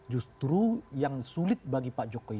justru yang sulit bagi pak jokowi